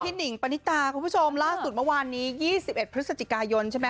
หนิงปณิตาคุณผู้ชมล่าสุดเมื่อวานนี้๒๑พฤศจิกายนใช่ไหม